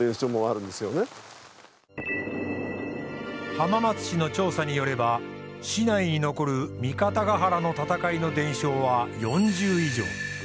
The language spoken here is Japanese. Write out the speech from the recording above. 浜松市の調査によれば市内に残る三方ヶ原の戦いの伝承は４０以上。